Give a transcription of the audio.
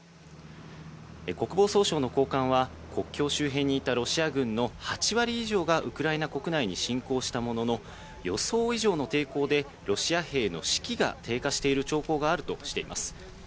国防総省の高官は国境周辺にいたロシア軍の８割以上がウクライナ国内に侵攻したものの、予想以上の抵抗でロシア兵の士気が低下している兆候があるとしています。